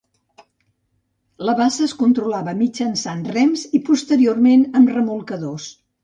La bassa es controlava mitjançant rems i, posteriorment, amb remolcadors.